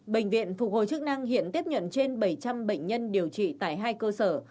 bệnh viện phục hồi chức năng hiện tiếp nhận trên bảy trăm linh bệnh nhân điều trị tại hai cơ sở